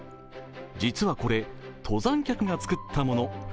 実はこれ、登山客が作ったもの。